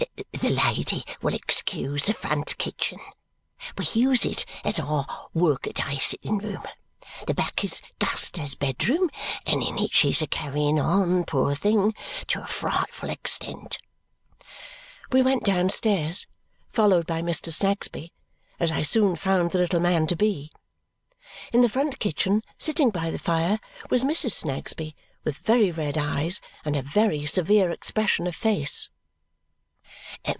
"The lady will excuse the front kitchen; we use it as our workaday sitting room. The back is Guster's bedroom, and in it she's a carrying on, poor thing, to a frightful extent!" We went downstairs, followed by Mr. Snagsby, as I soon found the little man to be. In the front kitchen, sitting by the fire, was Mrs. Snagsby, with very red eyes and a very severe expression of face.